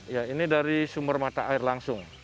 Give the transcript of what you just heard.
ya ini dari sumber mata air langsung